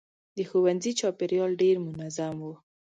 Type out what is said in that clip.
د ښوونځي چاپېریال ډېر منظم و.